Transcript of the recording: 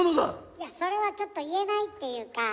いやそれはちょっと言えないっていうか。